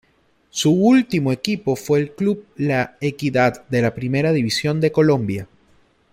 Su último equipo fue el club La Equidad de la Primera División de Colombia.